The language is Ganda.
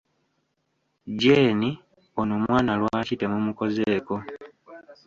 Jeeni, ono omwana lwaki temumukozeeko?